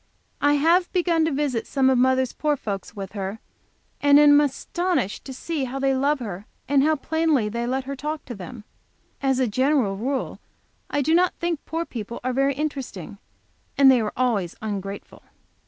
I have begun to visit some of mother's poor folks with her, and am astonished to see how they love her, how plainly they let her talk to them. As a general rule, I do not think poor people are very interesting, and they are always ungrateful.